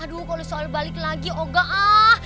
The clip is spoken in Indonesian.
aduh kalau soal balik lagi oh enggak ah